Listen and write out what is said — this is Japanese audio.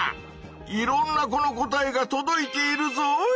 いろんな子の答えがとどいているぞい！